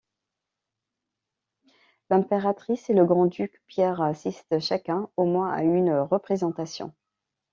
L'Impératrice et le Grand-Duc Pierre assiste chacun, au moins à une représentation.